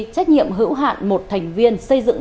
trách nhiệm hữu hạn một thành viên xây dựng